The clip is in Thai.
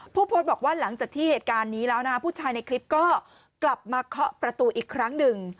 ผู้โพสต์บอกว่าหลังจากที่เหตุการณ์นี้แล้วนะผู้ชายในคลิปก็กลับมาเคาะประตูอีกครั้งหนึ่ง